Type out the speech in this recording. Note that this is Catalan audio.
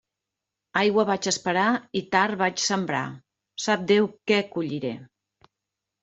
Aigua vaig esperar i tard vaig sembrar; sap Déu què colliré!